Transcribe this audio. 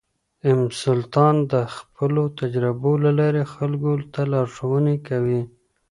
ام سلطان د خپلو تجربو له لارې خلکو ته لارښوونه کوي.